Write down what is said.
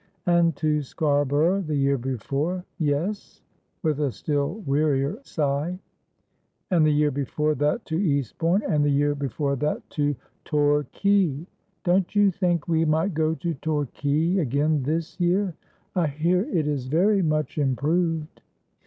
And to Scarborough the year before.' ' Yes,' with a still wearier sigh. ' And the year before that to Eastbourne ; and the year be fore that to Torquay. Don't you think we might go to Torquay again this year ? I hear it is very much improved.'